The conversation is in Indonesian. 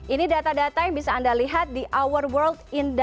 ini data data yang bisa anda lihat di our world